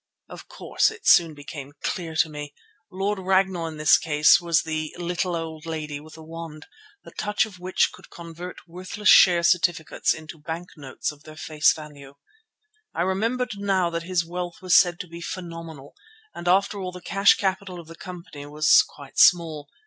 Of course it soon became clear to me. Lord Ragnall in this case was the little old lady with the wand, the touch of which could convert worthless share certificates into bank notes of their face value. I remembered now that his wealth was said to be phenomenal and after all the cash capital of the company was quite small.